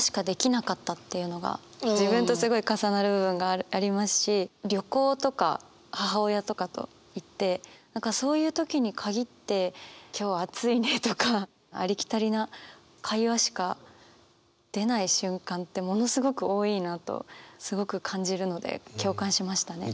自分とすごい重なる部分がありますし旅行とか母親とかと行って何かそういう時に限って「今日暑いね」とかありきたりな会話しか出ない瞬間ってものすごく多いなとすごく感じるので共感しましたね。